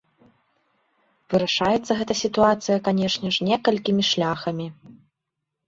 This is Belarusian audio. Вырашаецца гэтая сітуацыя, канешне ж, некалькімі шляхамі.